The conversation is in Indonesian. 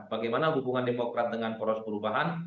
bagaimana hubungan demokrat dengan poros perubahan